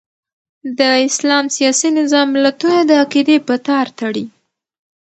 د اسلام سیاسي نظام ملتونه د عقیدې په تار تړي.